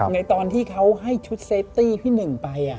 ในตอนที่เขาให้ชุดเซฟตี้พี่หนึ่งไป